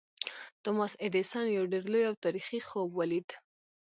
توماس ایډېسن یو ډېر لوی او تاریخي خوب ولید